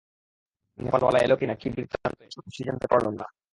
নেপালওয়ালা এল কিনা, কি বৃত্তান্ত, এ-সব তো কিছুই জানতে পারলুম না।